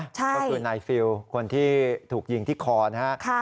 ก็คือนายฟิลคนที่ถูกยิงที่คอนะฮะ